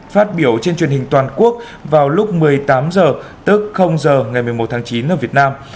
phát biểu trên truyền hình toàn quốc vào lúc một mươi tám h tức h ngày một mươi một tháng chín ở việt nam